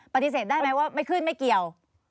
ปฏิเสธได้ไหมว่าไม่ขึ้นไม่เกี่ยว